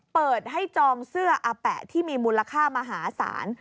เปิดให้จองเสื้ออาแปะที่มีมูลค่ามหาศาล